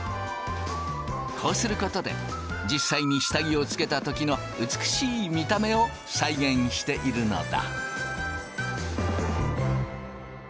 こうすることで実際に下着をつけた時の美しい見た目を再現しているのだ。